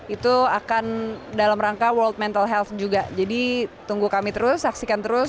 itu akan dalam rangka world mental health juga jadi tunggu kami terus saksikan terus